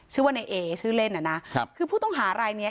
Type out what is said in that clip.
ชื่อว่าในเอชื่อเล่นอ่ะนะครับคือผู้ต้องหารายเนี้ย